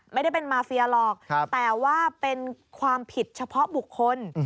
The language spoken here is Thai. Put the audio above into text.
ไม่ได้เป็นมาเฟียหรอกแต่ว่าเป็นความผิดเฉพาะบุคคล